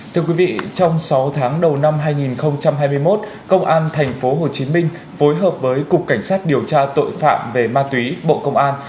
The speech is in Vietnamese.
thưa quý vị trong sáu tháng đầu năm hai nghìn hai mươi một công an tp hcm phối hợp với cục cảnh sát điều tra tội phạm về ma túy bộ công an